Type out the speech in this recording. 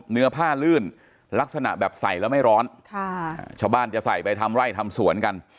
เนื้อผ้าลื่นลักษณะแบบใส่แล้วไม่ร้อนชาวบ้านจะใส่ไปทำไร่ทำสวนกัน